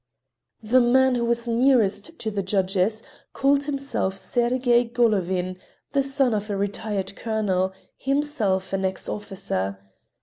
The man who was nearest to the judges called himself Sergey Golovin, the son of a retired colonel, himself an ex officer.